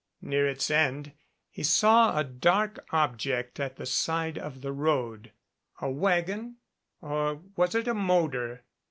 Near its end he saw a dark object at the side of the road. A wagon? Or was it a motor?